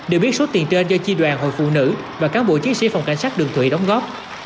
đều biết số tiền trên do chi đoàn hội phụ nữ và cán bộ chiến sĩ phòng cảnh sát đường thủy đóng góp